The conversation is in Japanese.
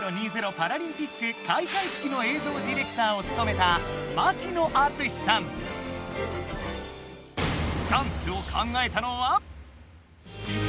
パラリンピック開会式の映像ディレクターをつとめたダンスを考えたのは。